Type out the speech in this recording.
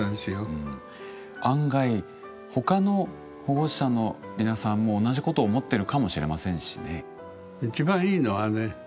うん案外他の保護者の皆さんも同じことを思ってるかもしれませんしね。